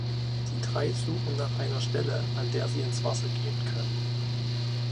Die drei suchen nach einer Stelle, an der sie ins Wasser gehen können.